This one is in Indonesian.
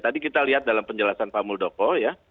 tadi kita lihat dalam penjelasan pak muldoko ya